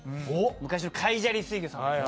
昔の海砂利水魚さん。